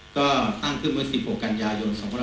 ก็ตั้งขึ้นเวลา๑๖กัญญาณยนตร์๒๐๑๘